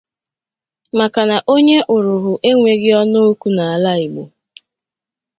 maka na onye ụrụhụ enweghị ọnụ okwu n'ala Igbo